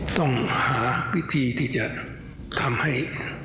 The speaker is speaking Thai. ต้องหาวิธีที่จะทำให้